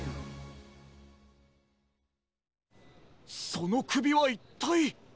そのくびはいったい。